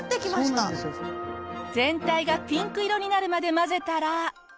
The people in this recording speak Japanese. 全体がピンク色になるまで混ぜたら。